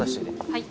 はい。